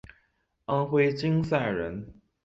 安徽金寨人。